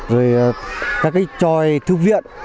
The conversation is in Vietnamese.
rồi các cái trò thư viện